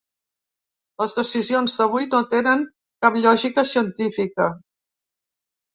Les decisions d’avui no tenen cap lògica científica.